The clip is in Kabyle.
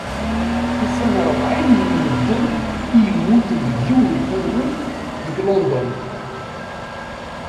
Ufan rebɛin n medden i yemmuten deg yiwen ukamyun, deg London.